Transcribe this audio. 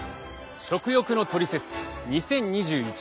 「食欲のトリセツ２０２１」。